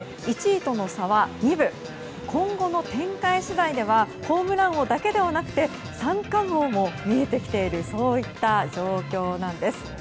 また、打率も３割に乗っていまして１位との差は、２分今後の展開次第ではホームラン王だけではなくて三冠王も見えてきているというそういった状況なんです。